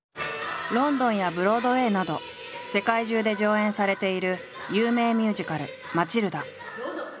ロンドンやブロードウェイなど世界中で上演されている有名ミュージカル「マチルダ」。